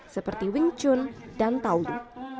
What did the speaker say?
seperti wing chun dan tawu